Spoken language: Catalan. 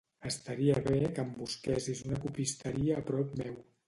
Estaria bé que em busquessis una copisteria a prop meu.